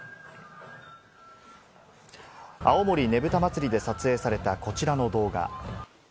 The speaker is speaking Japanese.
青森ねぶた祭で撮影された、こちらの動画。